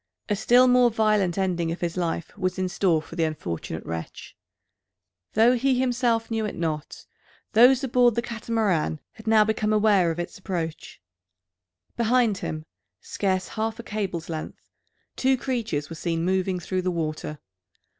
A still more violent ending of his life was in store for the unfortunate wretch. Though he himself knew it not, those aboard the Catamaran had now become aware of its approach. Behind him, scarce half a cable's length, two creatures were seen moving through the water.